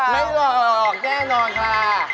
ไม่หลอกแน่นอนค่ะ